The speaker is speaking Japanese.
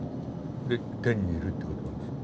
で「天にいる」って言葉あるんですよ。